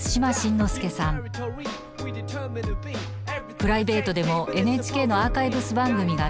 プライベートでもＮＨＫのアーカイブス番組が大好き。